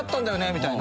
みたいな。